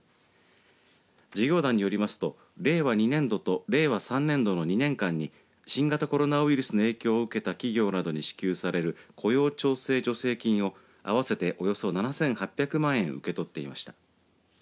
事業団によりますと令和２年度と令和３年度の２年間に新型コロナウイルスの影響を受けた企業などに支給される雇用調整助成金を合わせて、およそ７８００万円受け取っていました。